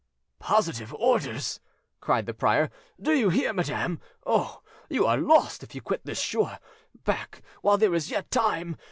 "Positive orders!" cried the prior. "Do you hear, madam? Oh! you are lost if you quit this shore! Back, while there is yet time!